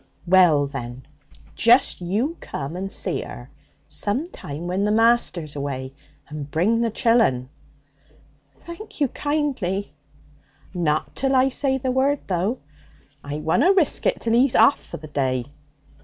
'Well, then, just you come and see 'er some time when the master's away. And bring the chillun.' 'Thank you kindly.' 'Not till I say the word, though! I wunna risk it till he's off for the day.